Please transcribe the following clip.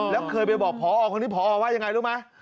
แล้วเคยไปบอกผอของนี้ผอว่ายังไงรู้มั้ย